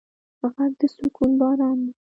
غږ د سکون باران دی